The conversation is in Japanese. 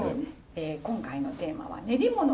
今回のテーマは「練り物で呑む」。